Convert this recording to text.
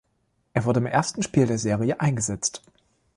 Er wurde im ersten Spiel der Serie eingesetzt.